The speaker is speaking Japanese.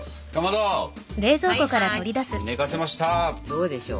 どうでしょう。